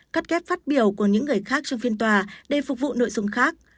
cắt ghép phát biểu của những người khác trong phiên tòa để phục vụ nội dung khác